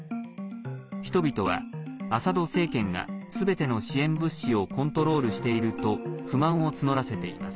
人々は、アサド政権がすべての支援物資をコントロールしていると不満を募らせています。